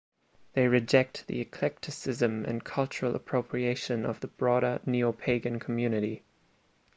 They reject the eclecticism and cultural appropriation of the broader Neopagan community.